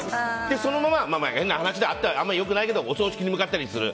そのまま変な話だけどあんまりよくないけどお葬式に向かったりする。